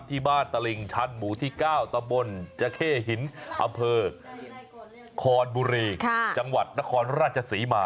ตลิ่งชันหมู่ที่๙ตำบลจเข้หินอำเภอคอนบุรีจังหวัดนครราชศรีมา